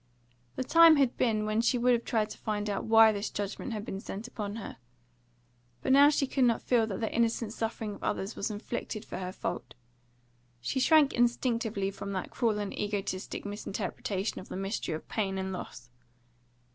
The time had been when she would have tried to find out why this judgment had been sent upon her. But now she could not feel that the innocent suffering of others was inflicted for her fault; she shrank instinctively from that cruel and egotistic misinterpretation of the mystery of pain and loss.